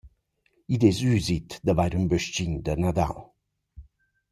Id es üsit d’avair ün bös-chin da Nadal.